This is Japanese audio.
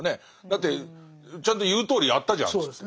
だってちゃんと言うとおりやったじゃんっつって。